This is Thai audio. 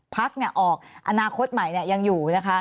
พักออกอนาคตใหม่ยังอยู่นะคะ